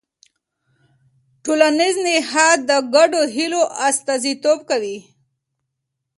ټولنیز نهاد د ګډو هيلو استازیتوب کوي.